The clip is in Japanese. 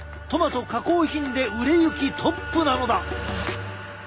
トマト加工品で売れ行きトップなのだ！